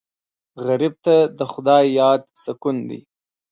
غریب ته د خدای یاد سکون دی